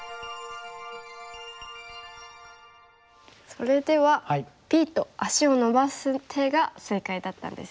それではＢと足を伸ばす手が正解だったんですね。